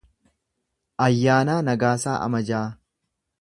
Ayyaanaa Nagaasaa Amajaa